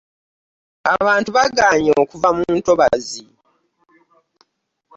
Abantu bagaanye okuva mu ntobazi.